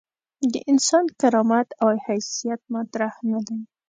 د انسان کرامت او حیثیت مطرح نه دي.